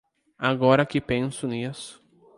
Agora que penso nisso.